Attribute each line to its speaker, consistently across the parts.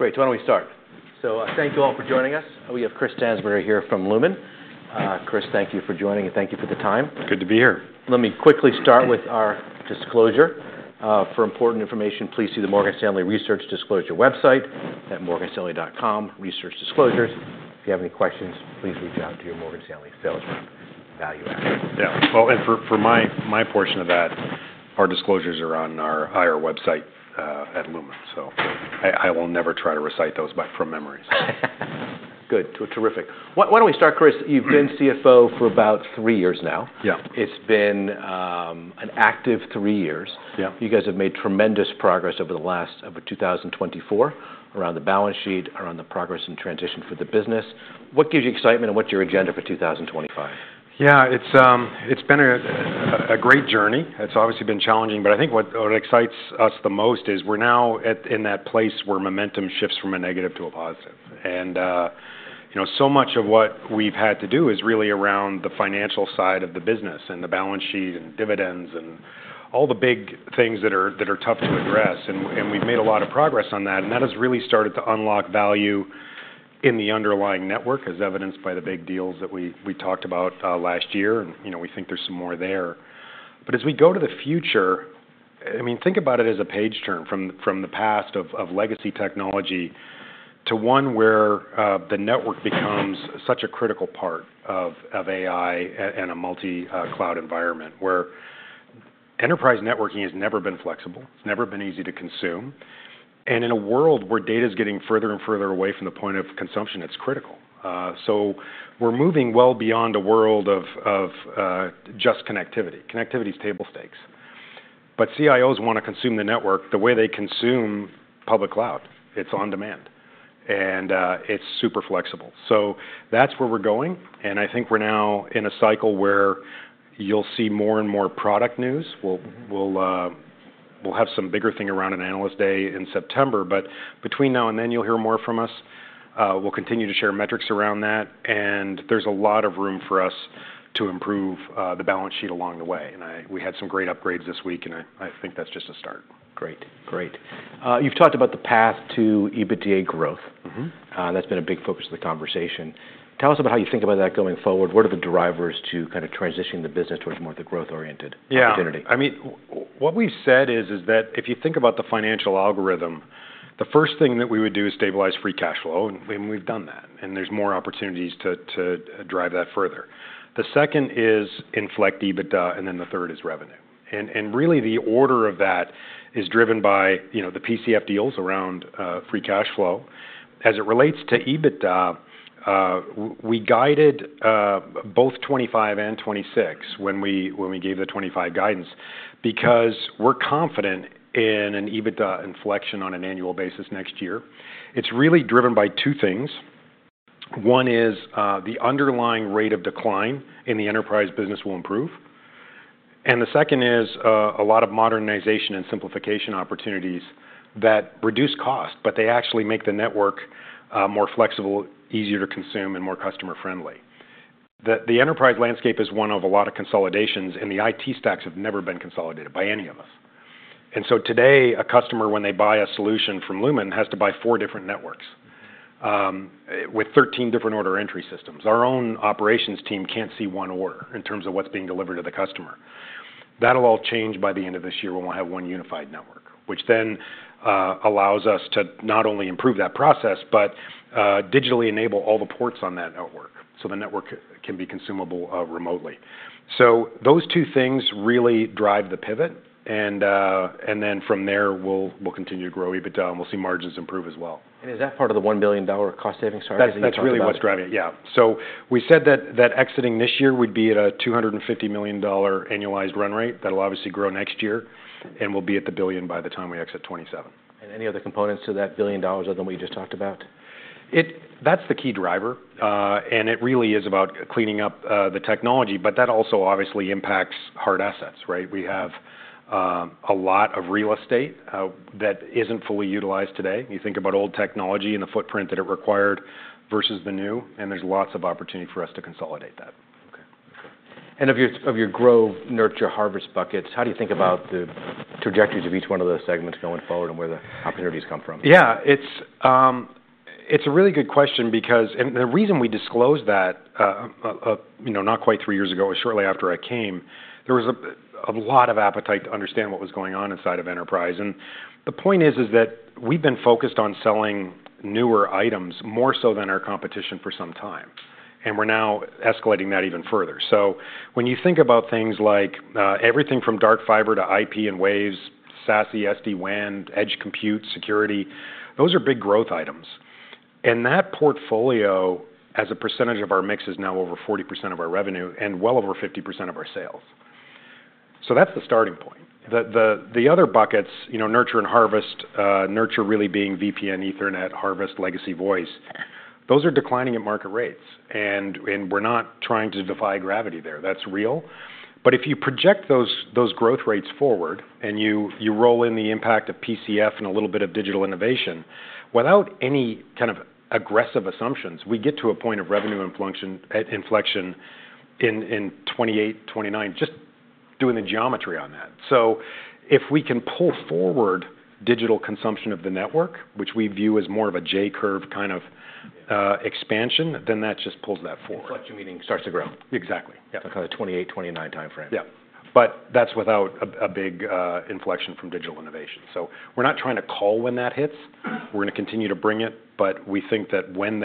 Speaker 1: Great. Why don't we start? So thank you all for joining us. We have Chris Stansbury here from Lumen. Chris, thank you for joining, and thank you for the time.
Speaker 2: Good to be here. Let me quickly start with our disclosure. For important information, please see the Morgan Stanley Research Disclosure website at morganstanley.com/researchdisclosures. If you have any questions, please reach out to your Morgan Stanley sales rep. Yeah. Well, and for my portion of that, our disclosures are on our IR website at Lumen. So I will never try to recite those back from memory. Good. Terrific. Why don't we start, Chris? You've been CFO for about three years now. It's been an active three years. You guys have made tremendous progress over the last, over 2024, around the balance sheet, around the progress and transition for the business. What gives you excitement, and what's your agenda for 2025? Yeah. It's been a great journey. It's obviously been challenging. But I think what excites us the most is we're now in that place where momentum shifts from a negative to a positive. And so much of what we've had to do is really around the financial side of the business, and the balance sheet, and dividends, and all the big things that are tough to address. And we've made a lot of progress on that. And that has really started to unlock value in the underlying network, as evidenced by the big deals that we talked about last year. And we think there's some more there. But as we go to the future, I mean, think about it as a page turn from the past of legacy technology to one where the network becomes such a critical part of AI and a multi-cloud environment, where enterprise networking has never been flexible, it's never been easy to consume. And in a world where data is getting further and further away from the point of consumption, it's critical. So we're moving well beyond a world of just connectivity. Connectivity is table stakes. But CIOs want to consume the network the way they consume public cloud. It's on demand. And it's super flexible. So that's where we're going. And I think we're now in a cycle where you'll see more and more product news. We'll have some bigger thing around an Analyst Day in September. But between now and then, you'll hear more from us. We'll continue to share metrics around that. And there's a lot of room for us to improve the balance sheet along the way. And we had some great upgrades this week. And I think that's just a start. Great. Great. You've talked about the path to EBITDA growth. That's been a big focus of the conversation. Tell us about how you think about that going forward. What are the drivers to kind of transitioning the business towards more of the growth-oriented opportunity? Yeah. I mean, what we've said is that if you think about the financial algorithm, the first thing that we would do is stabilize free cash flow, and we've done that. And there's more opportunities to drive that further. The second is inflect EBITDA. And then the third is revenue. And really, the order of that is driven by the PCF deals around free cash flow. As it relates to EBITDA, we guided both 2025 and 2026 when we gave the 2025 guidance because we're confident in an EBITDA inflection on an annual basis next year. It's really driven by two things. One is the underlying rate of decline in the enterprise business will improve. And the second is a lot of modernization and simplification opportunities that reduce cost, but they actually make the network more flexible, easier to consume, and more customer friendly. The enterprise landscape is one of a lot of consolidations, and the IT stacks have never been consolidated by any of us, and so today, a customer, when they buy a solution from Lumen, has to buy four different networks with 13 different order entry systems. Our own operations team can't see one order in terms of what's being delivered to the customer. That'll all change by the end of this year when we'll have one unified network, which then allows us to not only improve that process, but digitally enable all the ports on that network so the network can be consumable remotely, so those two things really drive the pivot, and then from there, we'll continue to grow EBITDA, and we'll see margins improve as well. Is that part of the $1 billion cost savings strategy? That's really what's driving it. Yeah. So we said that exiting this year would be at a $250 million annualized run rate. That'll obviously grow next year. And we'll be at the billion by the time we exit 2027. Any other components to that billion dollars other than what you just talked about? That's the key driver. And it really is about cleaning up the technology. But that also obviously impacts hard assets, right? We have a lot of real estate that isn't fully utilized today. You think about old technology and the footprint that it required versus the new. And there's lots of opportunity for us to consolidate that. Okay. And of your Grow, Nurture, Harvest buckets, how do you think about the trajectories of each one of those segments going forward and where the opportunities come from? Yeah. It's a really good question because the reason we disclosed that not quite three years ago, shortly after I came, there was a lot of appetite to understand what was going on inside of enterprise. And the point is that we've been focused on selling newer items more so than our competition for some time. And we're now escalating that even further. So when you think about things like everything from dark fiber to IP and waves, SASE, SD-WAN, edge compute, security, those are big growth items. And that portfolio, as a percentage of our mix, is now over 40% of our revenue and well over 50% of our sales. So that's the starting point. The other buckets, Nurture and Harvest, Nurture really being VPN, Ethernet, Harvest, legacy voice, those are declining at market rates. And we're not trying to defy gravity there. That's real. But if you project those growth rates forward and you roll in the impact of PCF and a little bit of digital innovation, without any kind of aggressive assumptions, we get to a point of revenue inflection in 2028, 2029, just doing the geometry on that. So if we can pull forward digital consumption of the network, which we view as more of a J curve kind of expansion, then that just pulls that forward. Inflection meaning starts to grow. Exactly. Kind of 2028, 2029 time frame. Yeah. But that's without a big inflection from digital innovation. So we're not trying to call when that hits. We're going to continue to bring it. But we think that when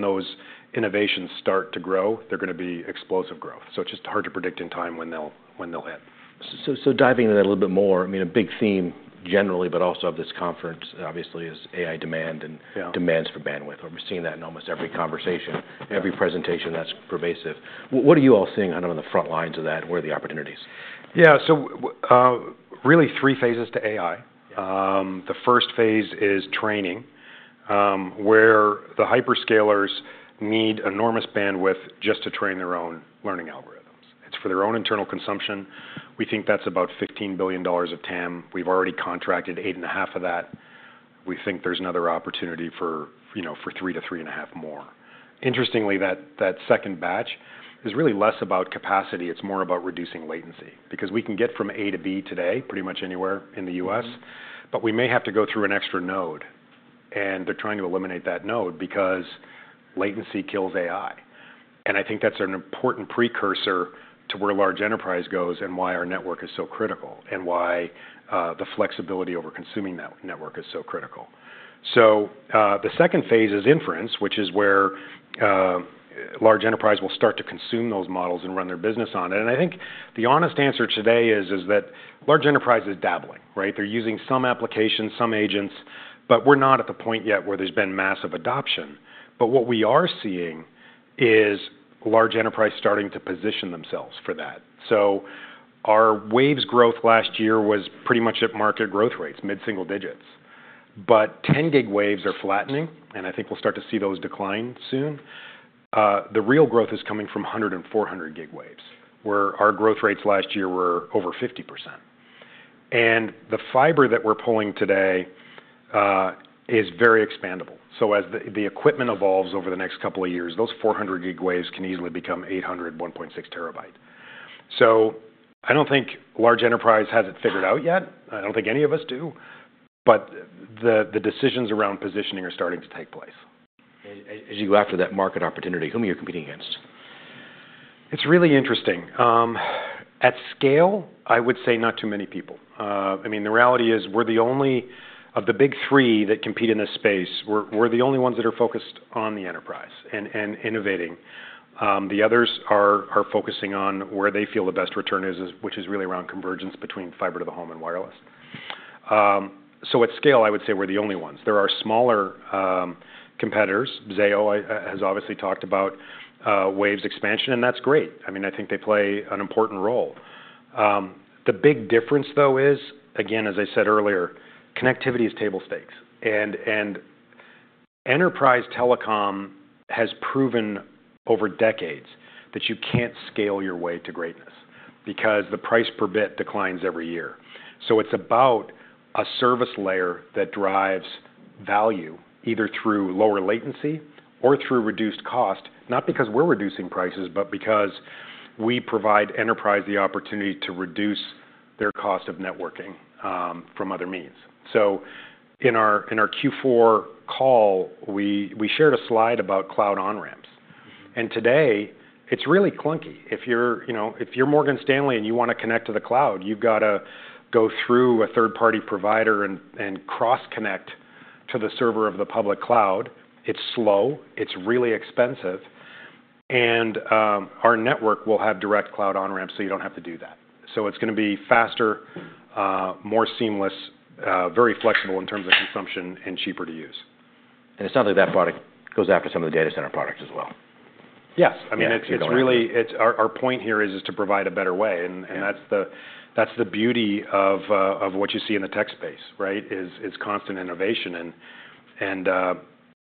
Speaker 2: those innovations start to grow, they're going to be explosive growth. So it's just hard to predict in time when they'll hit. So diving into that a little bit more, I mean, a big theme generally, but also of this conference, obviously, is AI demand and demands for bandwidth. We're seeing that in almost every conversation, every presentation. That's pervasive. What are you all seeing kind of on the front lines of that? Where are the opportunities? Yeah. So really three phases to AI. The first phase is training, where the hyperscalers need enormous bandwidth just to train their own learning algorithms. It's for their own internal consumption. We think that's about $15 billion of TAM. We've already contracted $8.5 billion of that. We think there's another opportunity for three to $3 billion-$3.5 billion more. Interestingly, that second batch is really less about capacity. It's more about reducing latency because we can get from A to B today pretty much anywhere in the U.S., but we may have to go through an extra node, and they're trying to eliminate that node because latency kills AI. And I think that's an important precursor to where large enterprise goes and why our network is so critical and why the flexibility over consuming that network is so critical. The second phase is inference, which is where large enterprise will start to consume those models and run their business on it. And I think the honest answer today is that large enterprise is dabbling, right? They're using some applications, some agents. But we're not at the point yet where there's been massive adoption. But what we are seeing is large enterprise starting to position themselves for that. Our waves growth last year was pretty much at market growth rates, mid-single digits. But 10-gig waves are flattening. And I think we'll start to see those decline soon. The real growth is coming from 100-gig and 400-gig waves, where our growth rates last year were over 50%. And the fiber that we're pulling today is very expandable. So as the equipment evolves over the next couple of years, those 400-gig waves can easily become 800, 1.6 terabyte. So I don't think large enterprise has it figured out yet. I don't think any of us do. But the decisions around positioning are starting to take place. As you go after that market opportunity, whom are you competing against? It's really interesting. At scale, I would say not too many people. I mean, the reality is we're the only of the big three that compete in this space, we're the only ones that are focused on the enterprise and innovating. The others are focusing on where they feel the best return is, which is really around convergence between fiber to the home and wireless. So at scale, I would say we're the only ones. There are smaller competitors. Zayo has obviously talked about waves expansion. And that's great. I mean, I think they play an important role. The big difference, though, is, again, as I said earlier, connectivity is table stakes. And enterprise telecom has proven over decades that you can't scale your way to greatness because the price per bit declines every year. So it's about a service layer that drives value either through lower latency or through reduced cost, not because we're reducing prices, but because we provide enterprise the opportunity to reduce their cost of networking from other means. So in our Q4 call, we shared a slide about cloud on-ramps. And today, it's really clunky. If you're Morgan Stanley and you want to connect to the cloud, you've got to go through a third-party provider and cross-connect to the server of the public cloud. It's slow. It's really expensive. And our network will have direct cloud on-ramps, so you don't have to do that. So it's going to be faster, more seamless, very flexible in terms of consumption, and cheaper to use. It sounds like that product goes after some of the data center products as well. Yes. I mean, our point here is to provide a better way. And that's the beauty of what you see in the tech space, right? It's constant innovation. And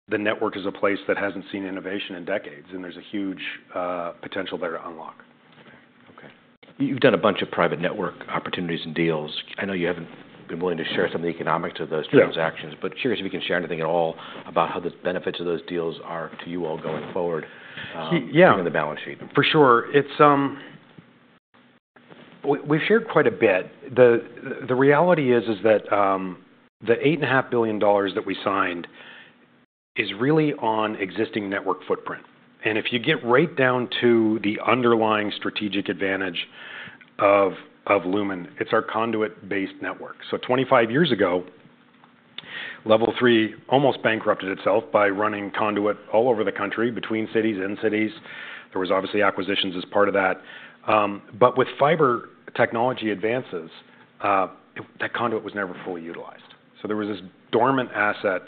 Speaker 2: the network is a place that hasn't seen innovation in decades. And there's a huge potential there to unlock. Okay. You've done a bunch of private network opportunities and deals. I know you haven't been willing to share some of the economics of those transactions. But curious if you can share anything at all about how the benefits of those deals are to you all going forward in the balance sheet? Yeah. For sure. We've shared quite a bit. The reality is that the $8.5 billion that we signed is really on existing network footprint, and if you get right down to the underlying strategic advantage of Lumen, it's our conduit-based network, so 25 years ago, Level 3 almost bankrupted itself by running conduit all over the country between cities, in cities. There was obviously acquisitions as part of that, but with fiber technology advances, that conduit was never fully utilized, so there was this dormant asset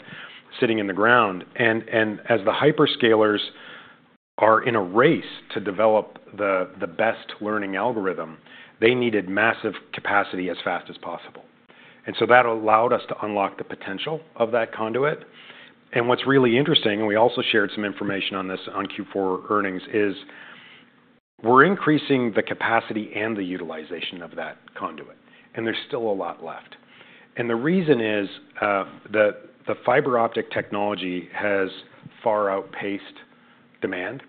Speaker 2: sitting in the ground, and as the hyperscalers are in a race to develop the best learning algorithm, they needed massive capacity as fast as possible, and so that allowed us to unlock the potential of that conduit, and what's really interesting, and we also shared some information on this on Q4 earnings, is we're increasing the capacity and the utilization of that conduit. And there's still a lot left. And the reason is the fiber optic technology has far outpaced demand.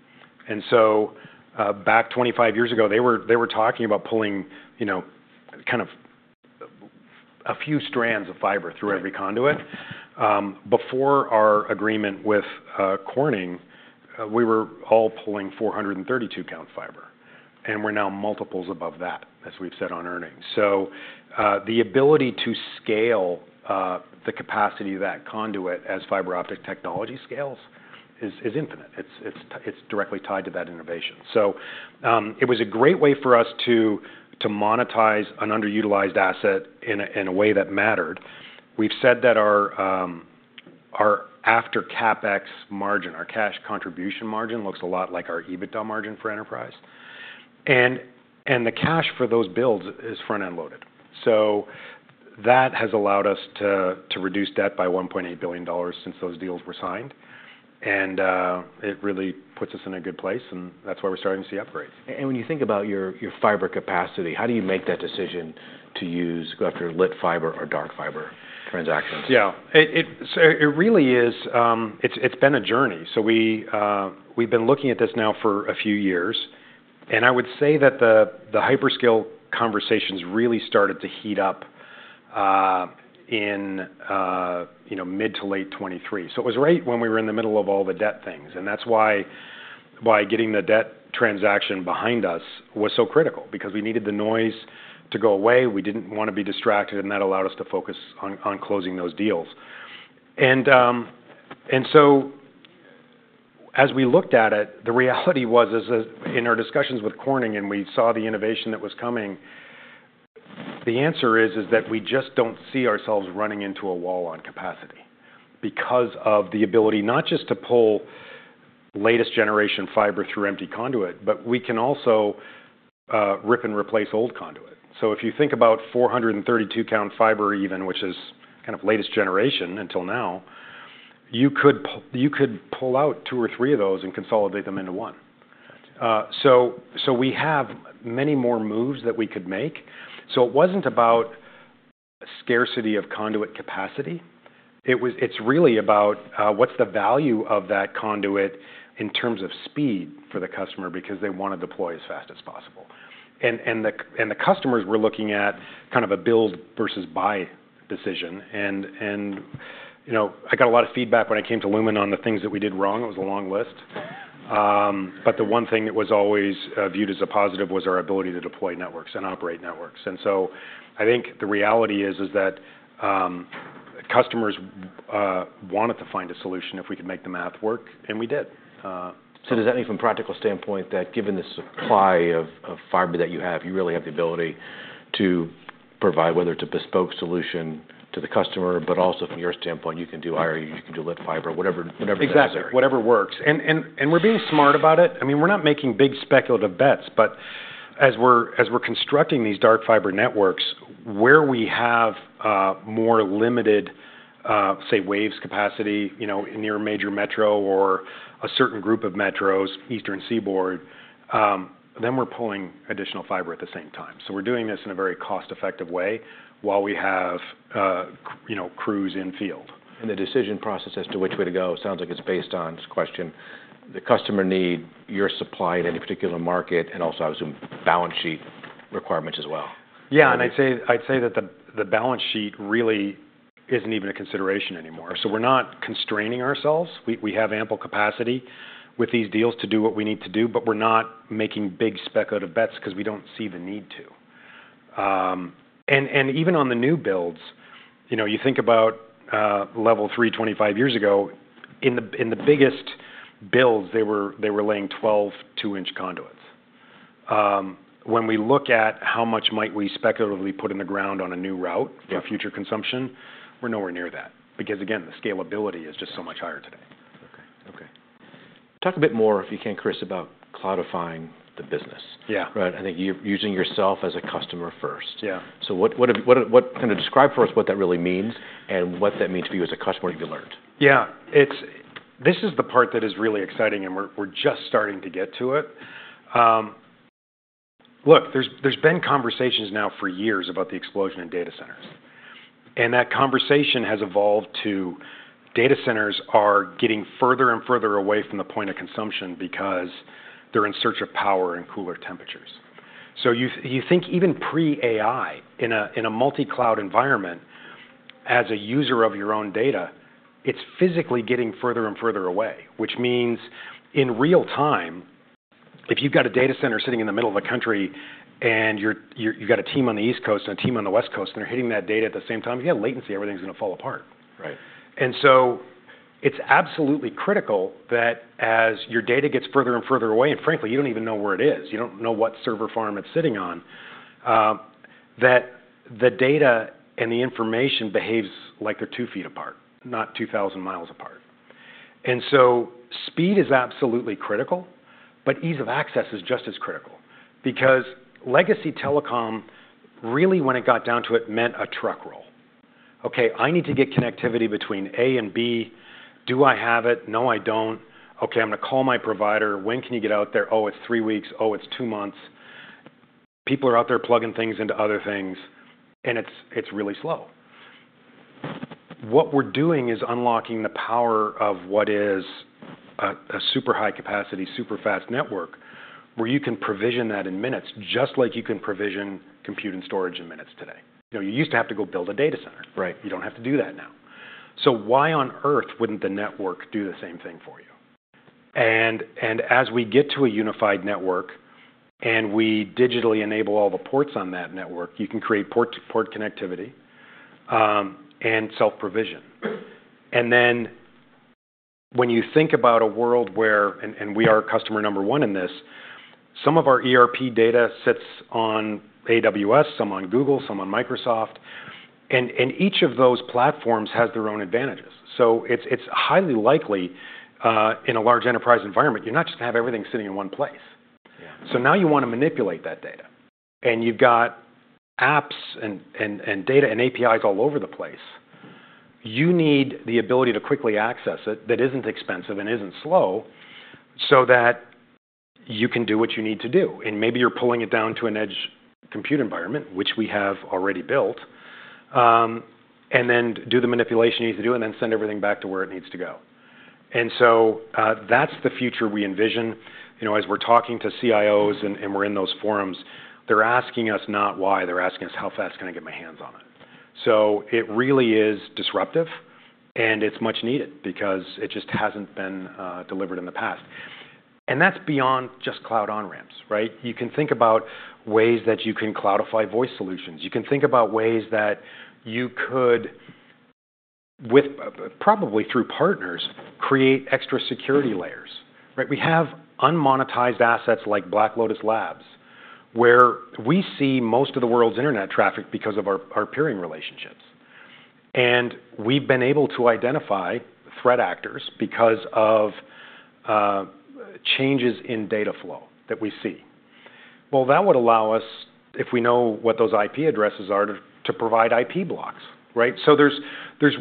Speaker 2: And so back 25 years ago, they were talking about pulling kind of a few strands of fiber through every conduit. Before our agreement with Corning, we were all pulling 432-count fiber. And we're now multiples above that, as we've said on earnings. So the ability to scale the capacity of that conduit as fiber optic technology scales is infinite. It's directly tied to that innovation. So it was a great way for us to monetize an underutilized asset in a way that mattered. We've said that our after CapEx margin, our cash contribution margin, looks a lot like our EBITDA margin for enterprise. And the cash for those builds is front-end loaded. So that has allowed us to reduce debt by $1.8 billion since those deals were signed. And it really puts us in a good place. And that's why we're starting to see upgrades. When you think about your fiber capacity, how do you make that decision to go after lit fiber or dark fiber transactions? Yeah. It really is. It's been a journey. So we've been looking at this now for a few years. And I would say that the hyperscale conversations really started to heat up in mid to late 2023. So it was right when we were in the middle of all the debt things. And that's why getting the debt transaction behind us was so critical because we needed the noise to go away. We didn't want to be distracted. And that allowed us to focus on closing those deals. And so as we looked at it, the reality was in our discussions with Corning and we saw the innovation that was coming, the answer is that we just don't see ourselves running into a wall on capacity because of the ability not just to pull latest generation fiber through empty conduit, but we can also rip and replace old conduit. So if you think about 432-count fiber even, which is kind of latest generation until now, you could pull out two or three of those and consolidate them into one. So we have many more moves that we could make. So it wasn't about scarcity of conduit capacity. It's really about what's the value of that conduit in terms of speed for the customer because they want to deploy as fast as possible. And the customers were looking at kind of a build versus buy decision. And I got a lot of feedback when I came to Lumen on the things that we did wrong. It was a long list. But the one thing that was always viewed as a positive was our ability to deploy networks and operate networks. And so I think the reality is that customers wanted to find a solution if we could make the math work. And we did. So does that mean from a practical standpoint that given the supply of fiber that you have, you really have the ability to provide whether it's a bespoke solution to the customer, but also from your standpoint, you can do IRU, you can do lit fiber, whatever makes sense? Exactly. Whatever works, and we're being smart about it. I mean, we're not making big speculative bets, but as we're constructing these dark fiber networks, where we have more limited, say, waves capacity near a major metro or a certain group of metros, Eastern Seaboard, then we're pulling additional fiber at the same time, so we're doing this in a very cost-effective way while we have crews in field. The decision process as to which way to go sounds like it's based on the customer need, your supply in any particular market, and also I would assume balance sheet requirements as well. Yeah, and I'd say that the balance sheet really isn't even a consideration anymore. So we're not constraining ourselves. We have ample capacity with these deals to do what we need to do. But we're not making big speculative bets because we don't see the need to. And even on the new builds, you think about Level 3 25 years ago, in the biggest builds, they were laying 12 two-inch conduits. When we look at how much might we speculatively put in the ground on a new route for future consumption, we're nowhere near that because, again, the scalability is just so much higher today. Okay. Talk a bit more, if you can, Chris, about cloudifying the business, right? I think you're using yourself as a customer first. So kind of describe for us what that really means and what that means for you as a customer that you learned. Yeah. This is the part that is really exciting. And we're just starting to get to it. Look, there's been conversations now for years about the explosion in data centers. And that conversation has evolved to data centers are getting further and further away from the point of consumption because they're in search of power and cooler temperatures. So you think even pre-AI in a multi-cloud environment, as a user of your own data, it's physically getting further and further away, which means in real time, if you've got a data center sitting in the middle of a country and you've got a team on the East Coast and a team on the West Coast, and they're hitting that data at the same time, if you have latency, everything's going to fall apart. It's absolutely critical that as your data gets further and further away, and frankly, you don't even know where it is. You don't know what server farm it's sitting on, that the data and the information behaves like they're two feet apart, not 2,000 miles apart. Speed is absolutely critical. Ease of access is just as critical because legacy telecom really, when it got down to it, meant a truck roll. Okay. I need to get connectivity between A and B. Do I have it? No, I don't. Okay. I'm going to call my provider. When can you get out there? Oh, it's three weeks. Oh, it's two months. People are out there plugging things into other things. It's really slow. What we're doing is unlocking the power of what is a super high-capacity, super fast network where you can provision that in minutes, just like you can provision compute and storage in minutes today. You used to have to go build a data center. You don't have to do that now. So why on earth wouldn't the network do the same thing for you? And as we get to a unified network and we digitally enable all the ports on that network, you can create port connectivity and self-provision. And then when you think about a world where, and we are customer number one in this, some of our ERP data sits on AWS, some on Google, some on Microsoft. And each of those platforms has their own advantages. So it's highly likely in a large enterprise environment, you're not just going to have everything sitting in one place. So now you want to manipulate that data. And you've got apps and data and APIs all over the place. You need the ability to quickly access it that isn't expensive and isn't slow so that you can do what you need to do. And maybe you're pulling it down to an edge compute environment, which we have already built, and then do the manipulation you need to do and then send everything back to where it needs to go. And so that's the future we envision. As we're talking to CIOs and we're in those forums, they're asking us not why. They're asking us, "How fast can I get my hands on it?" So it really is disruptive. And it's much needed because it just hasn't been delivered in the past. And that's beyond just cloud on-ramps, right? You can think about ways that you can cloudify voice solutions. You can think about ways that you could, probably through partners, create extra security layers, right? We have unmonetized assets like Black Lotus Labs where we see most of the world's internet traffic because of our peering relationships, and we've been able to identify threat actors because of changes in data flow that we see, well, that would allow us, if we know what those IP addresses are, to provide IP blocks, right, so there's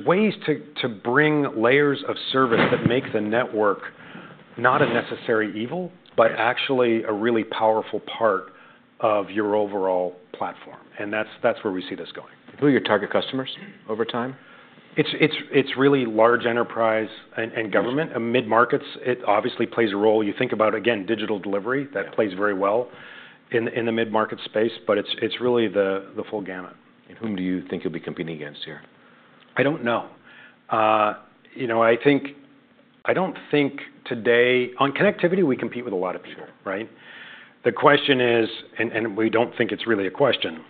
Speaker 2: ways to bring layers of service that make the network not a necessary evil, but actually a really powerful part of your overall platform, and that's where we see this going. Who are your target customers over time? It's really large enterprise and government. Mid-markets, it obviously plays a role. You think about, again, digital delivery. That plays very well in the mid-market space. But it's really the full gamut. Whom do you think you'll be competing against here? I don't know. I don't think today on connectivity, we compete with a lot of people, right? The question is, and we don't think it's really a question,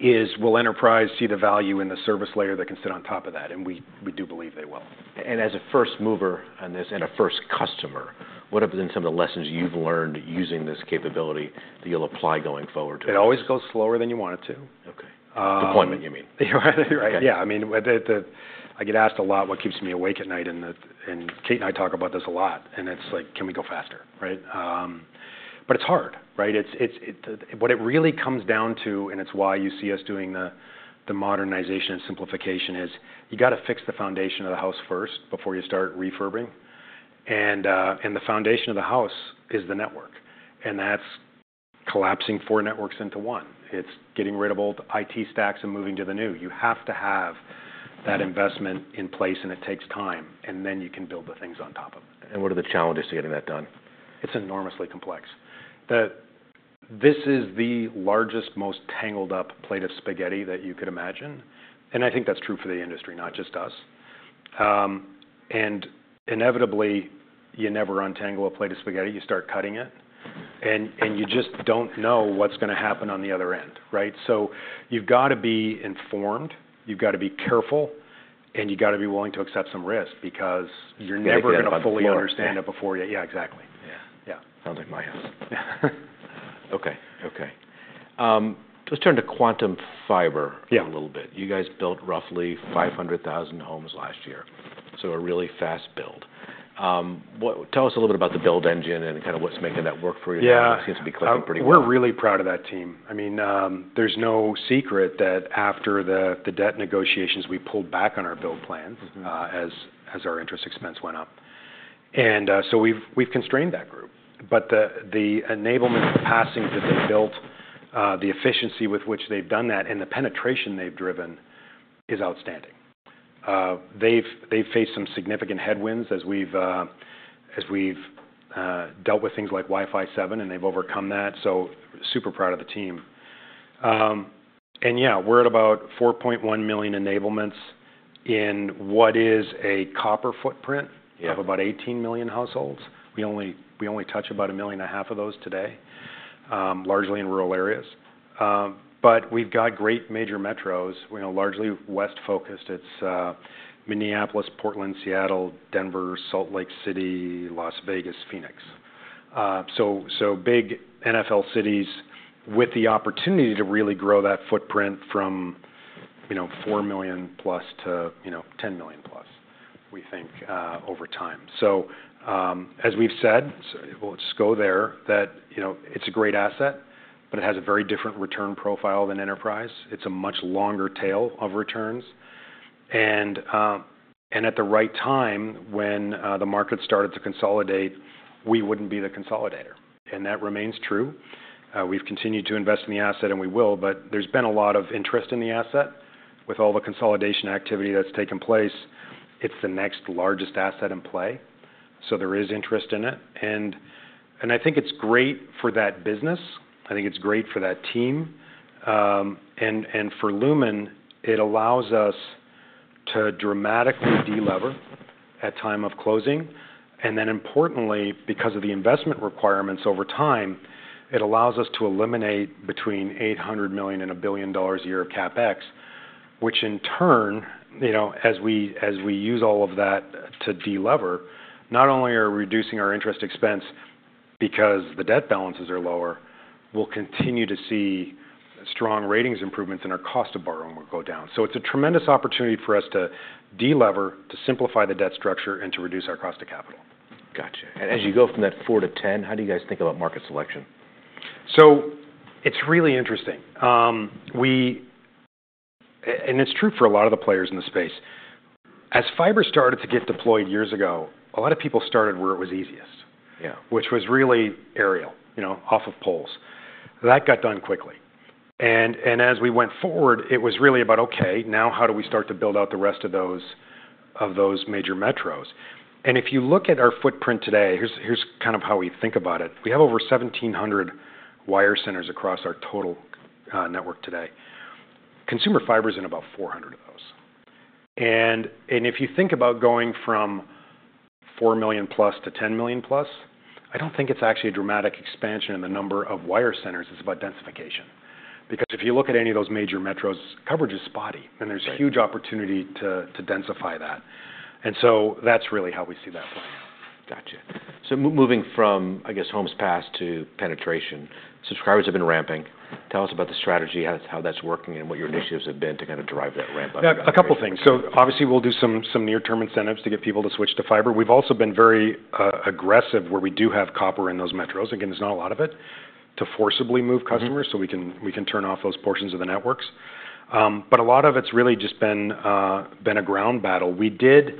Speaker 2: is will enterprise see the value in the service layer that can sit on top of that? We do believe they will. And as a first mover on this and a first customer, what have been some of the lessons you've learned using this capability that you'll apply going forward? It always goes slower than you want it to. Deployment, you mean. Yeah. I mean, I get asked a lot, "What keeps me awake at night?" And Kate and I talk about this a lot. And it's like, "Can we go faster?" Right? But it's hard, right? What it really comes down to, and it's why you see us doing the modernization and simplification, is you've got to fix the foundation of the house first before you start refurbing. And the foundation of the house is the network. And that's collapsing four networks into one. It's getting rid of old IT stacks and moving to the new. You have to have that investment in place. And it takes time. And then you can build the things on top of it. What are the challenges to getting that done? It's enormously complex. This is the largest, most tangled-up plate of spaghetti that you could imagine. And I think that's true for the industry, not just us. And inevitably, you never untangle a plate of spaghetti. You start cutting it. And you just don't know what's going to happen on the other end, right? So you've got to be informed. You've got to be careful. And you've got to be willing to accept some risk because you're never going to fully understand it before you. Yeah. Exactly. Yeah. Sounds like my house. Okay. Okay. Let's turn to Quantum Fiber a little bit. You guys built roughly 500,000 homes last year. So a really fast build. Tell us a little bit about the build engine and kind of what's making that work for you. It seems to be clicking pretty well. We're really proud of that team. I mean, there's no secret that after the debt negotiations, we pulled back on our build plans as our interest expense went up, and so we've constrained that group, but the enablement of the passings that they've built, the efficiency with which they've done that, and the penetration they've driven is outstanding. They've faced some significant headwinds as we've dealt with things like Wi-Fi 7, and they've overcome that, so super proud of the team, and yeah, we're at about 4.1 million enablements in what is a copper footprint of about 18 million households. We only touch about 1.5 million of those today, largely in rural areas, but we've got great major metros, largely west-focused. It's Minneapolis, Portland, Seattle, Denver, Salt Lake City, Las Vegas, Phoenix. So big NFL cities with the opportunity to really grow that footprint from 4 million plus to 10 million plus, we think, over time. So as we've said, we'll just go there, that it's a great asset, but it has a very different return profile than enterprise. It's a much longer tail of returns. And at the right time, when the market started to consolidate, we wouldn't be the consolidator. And that remains true. We've continued to invest in the asset. And we will. But there's been a lot of interest in the asset. With all the consolidation activity that's taken place, it's the next largest asset in play. So there is interest in it. And I think it's great for that business. I think it's great for that team. And for Lumen, it allows us to dramatically delever at time of closing. Then importantly, because of the investment requirements over time, it allows us to eliminate between $800 million and $1 billion a year of CapEx, which in turn, as we use all of that to delever, not only are we reducing our interest expense because the debt balances are lower, we'll continue to see strong ratings improvements and our cost of borrowing will go down. So it's a tremendous opportunity for us to delever, to simplify the debt structure, and to reduce our cost of capital. Gotcha. And as you go from that 4 million to 10 million, how do you guys think about market selection? So it's really interesting. And it's true for a lot of the players in the space. As fiber started to get deployed years ago, a lot of people started where it was easiest, which was really aerial, off of poles. That got done quickly. And as we went forward, it was really about, "Okay. Now how do we start to build out the rest of those major metros?" And if you look at our footprint today, here's kind of how we think about it. We have over 1,700 wire centers across our total network today. Consumer fiber is in about 400 of those. And if you think about going from 4 million plus to 10 million plus, I don't think it's actually a dramatic expansion in the number of wire centers. It's about densification. Because if you look at any of those major metros, coverage is spotty. There's a huge opportunity to densify that. That's really how we see that playing out. Gotcha. So moving from, I guess, homes passed to penetration, subscribers have been ramping. Tell us about the strategy, how that's working, and what your initiatives have been to kind of drive that ramp up? A couple of things. So obviously, we'll do some near-term incentives to get people to switch to fiber. We've also been very aggressive where we do have copper in those metros. Again, there's not a lot of it to forcibly move customers so we can turn off those portions of the networks. But a lot of it's really just been a ground battle. We did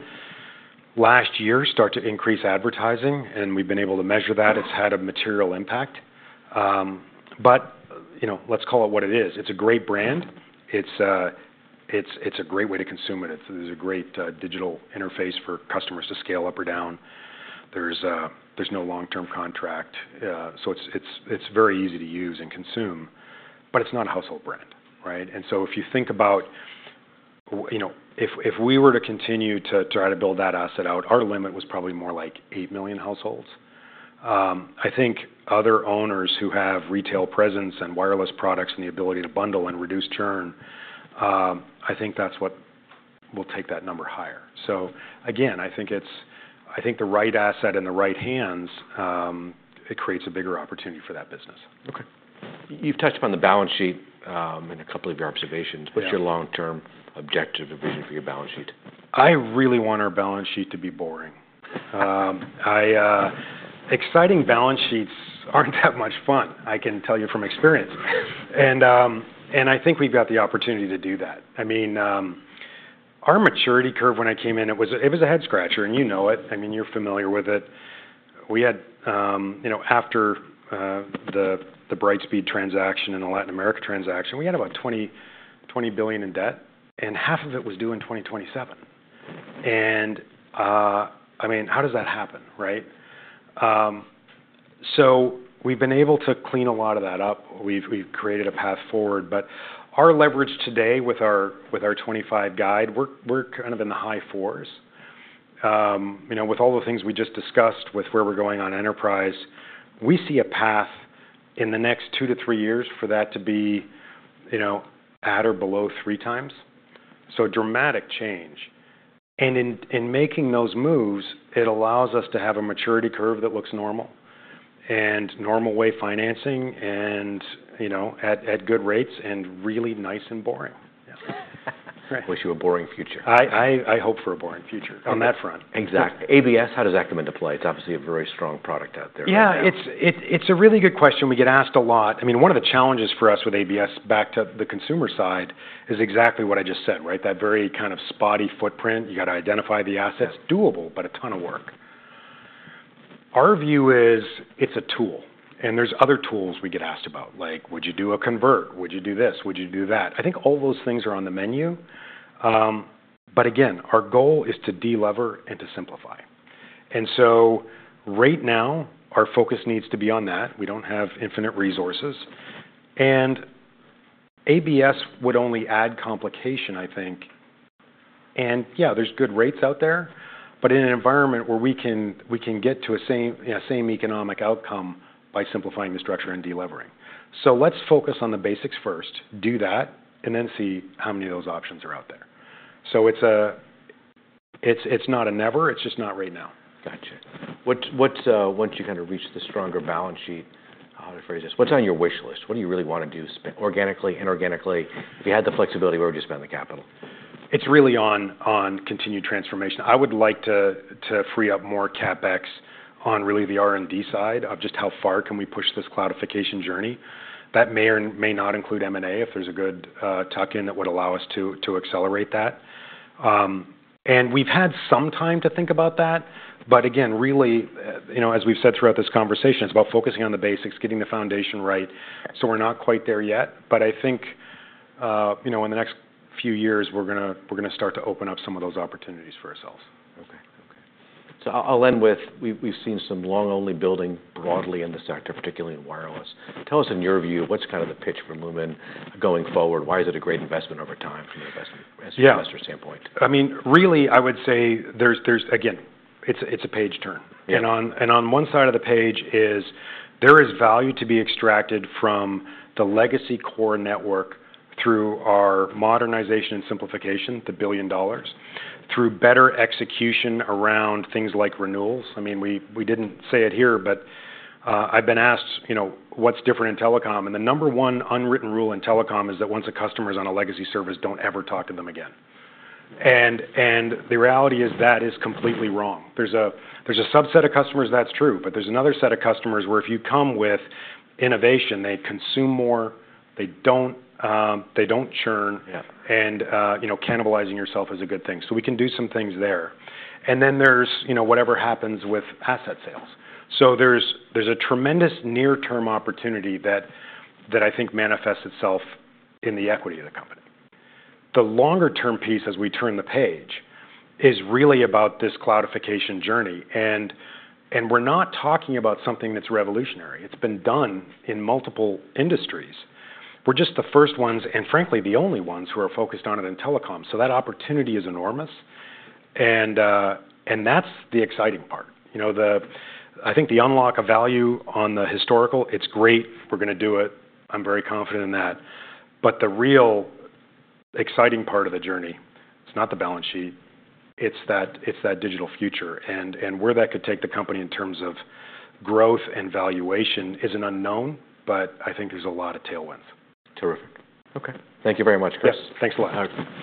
Speaker 2: last year start to increase advertising. And we've been able to measure that. It's had a material impact. But let's call it what it is. It's a great brand. It's a great way to consume it. It's a great digital interface for customers to scale up or down. There's no long-term contract. So it's very easy to use and consume. But it's not a household brand, right? And so if you think about if we were to continue to try to build that asset out, our limit was probably more like 8 million households. I think other owners who have retail presence and wireless products and the ability to bundle and reduce churn, I think that's what will take that number higher. So again, I think the right asset in the right hands, it creates a bigger opportunity for that business. Okay. You've touched upon the balance sheet in a couple of your observations. What's your long-term objective or reason for your balance sheet? I really want our balance sheet to be boring. Exciting balance sheets aren't that much fun, I can tell you from experience, and I think we've got the opportunity to do that. I mean, our maturity curve when I came in, it was a head-scratcher, and you know it. I mean, you're familiar with it. We had, after the Brightspeed transaction and the Latin America transaction, we had about $20 billion in debt, and half of it was due in 2027. And I mean, how does that happen, right, so we've been able to clean a lot of that up. We've created a path forward, but our leverage today with our 2025 guide, we're kind of in the high fours. With all the things we just discussed, with where we're going on enterprise, we see a path in the next two to three years for that to be at or below 3x. So dramatic change. And in making those moves, it allows us to have a maturity curve that looks normal and normal way financing and at good rates and really nice and boring. Wish you a boring future. I hope for a boring future on that front. Exactly. ABS, how does that come into play? It's obviously a very strong product out there. Yeah. It's a really good question. We get asked a lot. I mean, one of the challenges for us with ABS back to the consumer side is exactly what I just said, right? That very kind of spotty footprint. You've got to identify the assets. Doable, but a ton of work. Our view is it's a tool. And there's other tools we get asked about, like, "Would you do a convert? Would you do this? Would you do that?" I think all those things are on the menu. But again, our goal is to delever and to simplify. And so right now, our focus needs to be on that. We don't have infinite resources. And ABS would only add complication, I think. And yeah, there's good rates out there. But in an environment where we can get to the same economic outcome by simplifying the structure and delivering. So let's focus on the basics first, do that, and then see how many of those options are out there. So it's not a never. It's just not right now. Gotcha. Once you kind of reach the stronger balance sheet, I'll just phrase this, what's on your wish list? What do you really want to do organically, inorganically? If you had the flexibility, where would you spend the capital? It's really on continued transformation. I would like to free up more CapEx on really the R&D side of just how far can we push this cloudification journey. That may or may not include M&A if there's a good tuck-in that would allow us to accelerate that, and we've had some time to think about that, but again, really, as we've said throughout this conversation, it's about focusing on the basics, getting the foundation right, so we're not quite there yet, but I think in the next few years, we're going to start to open up some of those opportunities for ourselves. So I'll end with we've seen some long-only building broadly in the sector, particularly in wireless. Tell us, in your view, what's kind of the pitch for Lumen going forward? Why is it a great investment over time from an investor standpoint? Yeah. I mean, really, I would say there's, again, it's a page turn. And on one side of the page is there is value to be extracted from the legacy core network through our modernization and simplification, $1 billion, through better execution around things like renewals. I mean, we didn't say it here, but I've been asked, "What's different in telecom?" And the number one unwritten rule in telecom is that once a customer is on a legacy service, don't ever talk to them again. And the reality is that is completely wrong. There's a subset of customers that's true. But there's another set of customers where if you come with innovation, they consume more. They don't churn. And cannibalizing yourself is a good thing. So we can do some things there. And then there's whatever happens with asset sales. So there's a tremendous near-term opportunity that I think manifests itself in the equity of the company. The longer-term piece as we turn the page is really about this cloudification journey. And we're not talking about something that's revolutionary. It's been done in multiple industries. We're just the first ones and, frankly, the only ones who are focused on it in telecom. So that opportunity is enormous. And that's the exciting part. I think the unlock of value on the historical, it's great. We're going to do it. I'm very confident in that. But the real exciting part of the journey, it's not the balance sheet. It's that digital future. And where that could take the company in terms of growth and valuation is an unknown. But I think there's a lot of tailwinds. Terrific. Okay. Thank you very much, Chris. Yes. Thanks a lot. All right.